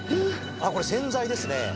これ洗剤ですね。